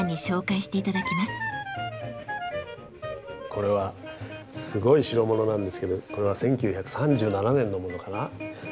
これはすごい代物なんですけどこれは１９３７年のものかな？